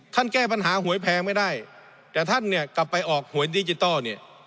แก้ปัญหาหวยแพงไม่ได้แต่ท่านเนี่ยกลับไปออกหวยดิจิทัลเนี่ย